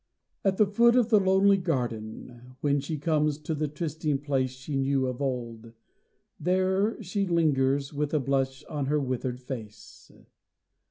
At the foot of the lonely garden, When she comes to the trysting place She knew of old, there she lingers, With a blush on her withered face.